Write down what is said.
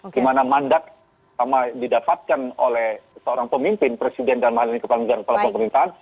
dimana mandat sama didapatkan oleh seorang pemimpin presiden dan mahal ini kepala negara kepala pemerintahan